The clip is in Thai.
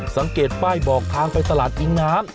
สังเกตป้ายบอกทางไปตลาดอิงน้ำ